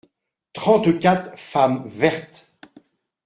Trente-quatre femmes vertes.